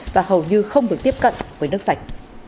và hầu như không được tiếp cận với nước sạch